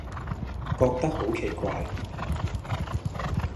覺得好奇怪